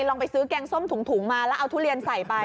ลองไปซื้อแกงส้มถุงมาแล้วเอาทุเรียนใส่ไป